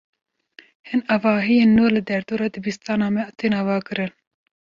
Hin avahiyên nû li derdora dibistana me tên avakirin.